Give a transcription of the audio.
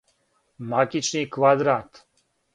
магични квадрат